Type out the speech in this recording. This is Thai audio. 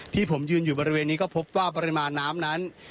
ที่ผมยืนอยู่บริเวณนี้ก็พบว่าปริมาณน้ำนั้น